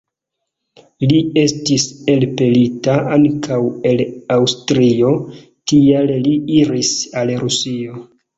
Li estis elpelita ankaŭ el Aŭstrio, tial li iris al Rusio.